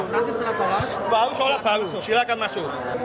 nanti setelah sholat baru sholat baru silahkan masuk